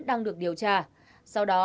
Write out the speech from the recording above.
đang được điều tra sau đó